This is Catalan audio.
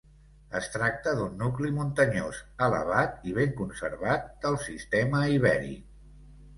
Es tracta d'un nucli muntanyós elevat i ben conservat del sistema Ibèric.